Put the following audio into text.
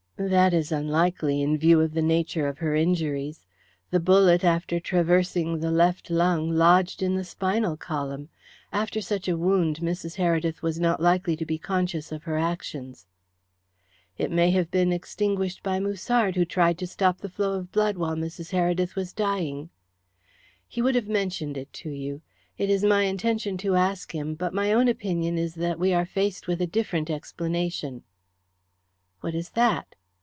"That is unlikely, in view of the nature of her injuries. The bullet, after traversing the left lung, lodged in the spinal column. After such a wound Mrs. Heredith was not likely to be conscious of her actions." "It may have been extinguished by Musard, who tried to stop the flow of blood while Mrs. Heredith was dying." "He would have mentioned it to you. It is my intention to ask him, but my own opinion is that we are faced with a different explanation." "What is that?"